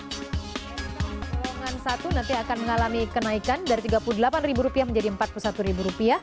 golongan satu nanti akan mengalami kenaikan dari rp tiga puluh delapan menjadi rp empat puluh satu